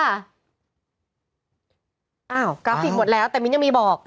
อ้าวกราฟิกหมดแล้วแต่มิ้นยังมีบอก